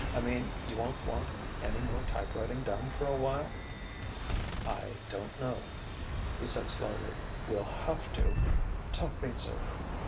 "I mean, you won't want any more type writing done for a while?" "I don't know," he said slowly. "We'll have to ... talk things over.